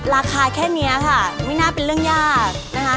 ราคาแค่นี้ค่ะไม่น่าเป็นเรื่องยากนะคะ